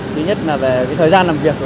thứ nhất là thời gian làm việc